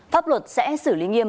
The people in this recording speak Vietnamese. pháp luật sẽ xử lý nghiêm